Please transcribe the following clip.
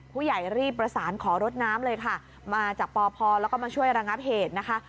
ผู้ใหญ่รีบประสานขอรถน้ำเลยค่ะมาจากปพแล้วก็มาช่วยระงับเหตุนะคะ